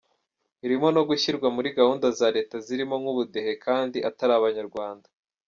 Birimo ngo gushyirwa muri gahunda za leta zirimo nk’ubudehe kandi atari Abanyarwanda.